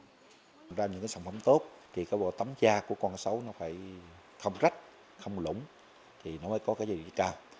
nói ra những sản phẩm tốt thì cái bộ tấm da của con cá sấu nó phải không rách không lũng thì nó mới có cái gì cao